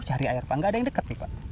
karena tidak ada yang dekat